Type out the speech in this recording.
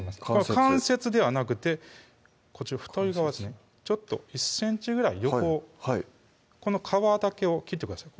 関節ではなくてこちら太い側ですねちょっと１ｃｍぐらい横をこの皮だけを切ってください